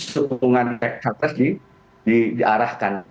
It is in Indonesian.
kehukuman ppres diarahkan